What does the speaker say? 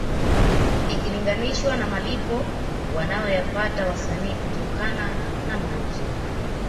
Ikilinganishwa na malipo wanayoyapata wasanii kutokana na mauzo